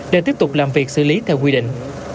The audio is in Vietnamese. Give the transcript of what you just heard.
để tiếp tục làm việc xử lý theo quy định